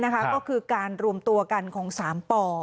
ก็คือการรวมตัวกันของ๓ป่อ